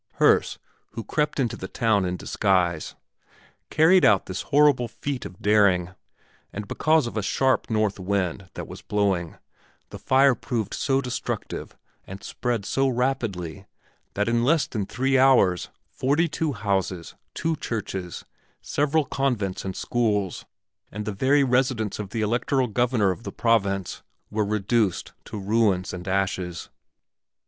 Herse, who crept into the town in disguise, carried out this horrible feat of daring, and because of a sharp north wind that was blowing, the fire proved so destructive and spread so rapidly that in less than three hours forty two houses, two churches, several convents and schools, and the very residence of the electoral governor of the province were reduced to ruins and ashes.